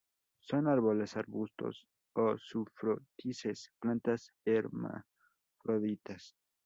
Son árboles, arbustos o sufrútices; plantas hermafroditas.